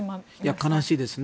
悲しいですね。